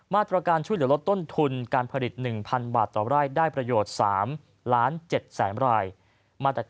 มาตรการช่วยเหลือลดต้นทุนการผลิต๑๐๐๐บาทต่อไร่ได้ประโยชน์๓๗๐๐๐ราย